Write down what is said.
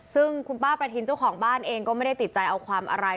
ซึ่งคุณป้าประทินเจ้าของบ้านเองก็ไม่ได้ติดใจเอาความอะไร